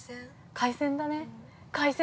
◆海鮮だね。